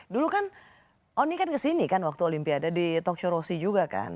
dulu kan oni kan kesini kan waktu olimpiade di tokshorossi juga kan